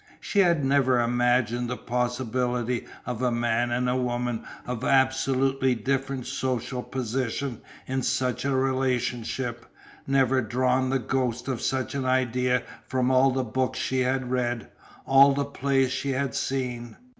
She had never imagined the possibility of a man and a woman of absolutely different social position in such a relationship, never drawn the ghost of such an idea from all the books she had read, all the plays she had seen.